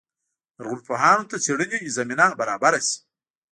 لرغونپوهانو ته څېړنې زمینه برابره شي.